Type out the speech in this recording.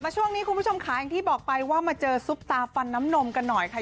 ช่วงนี้คุณผู้ชมค่ะอย่างที่บอกไปว่ามาเจอซุปตาฟันน้ำนมกันหน่อยค่ะ